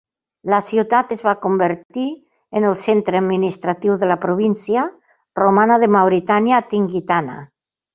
La ciutat es va convertir en el centre administratiu de la província romana de Mauritània Tingitana.